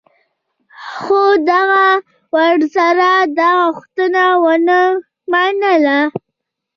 خو هغه ورسره دا غوښتنه و نه منله.